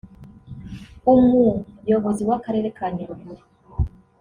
Umuyobozi w’Akarere ka Nyaruguru